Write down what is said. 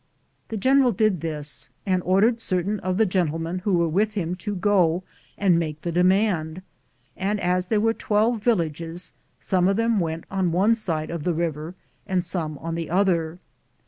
The general did this, and ordered certain of the gentlemen who were with him to go and make the demand; and as there were twelve villages, some of them went on one side of the river and some on the other.